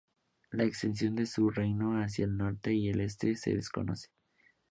La extensión de su reino hacia el norte y el este se desconoce.